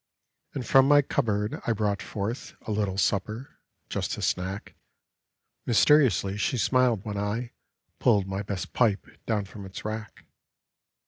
And from my cupboard I brought forth A little supper — just a snack; Mysteriously she smiled when I Pulled my best pipe down from its rack.